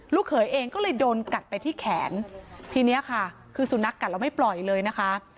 เขยเองก็เลยโดนกัดไปที่แขนทีนี้ค่ะคือสุนัขกัดแล้วไม่ปล่อยเลยนะคะ